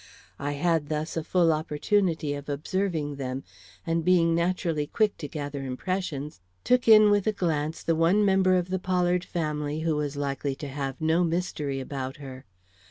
I had thus a full opportunity of observing them, and being naturally quick to gather impressions, took in with a glance the one member of the Pollard family who was likely to have no mystery about her.